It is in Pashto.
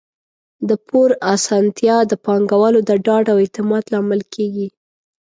د پور اسانتیا د پانګوالو د ډاډ او اعتماد لامل کیږي.